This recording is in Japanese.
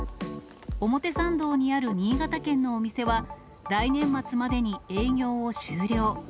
表参道にある新潟県のお店は、来年末までに営業を終了。